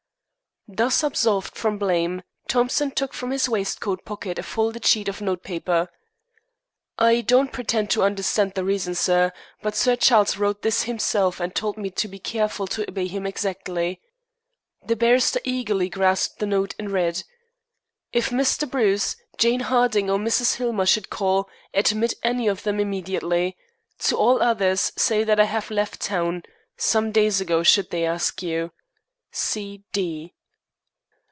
Thus absolved from blame, Thompson took from his waistcoat pocket a folded sheet of notepaper. "I don't pretend to understand the reason, sir," he said, "but Sir Charles wrote this himself, and told me to be careful to obey him exactly." The barrister eagerly grasped the note and read: "If Mr. Bruce, Jane Harding, or Mrs. Hillmer should call, admit any of them immediately. To all others say that I have left town some days ago, should they ask you. "C. D."